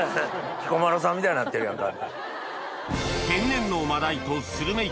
彦摩呂さんみたいになってるやんか。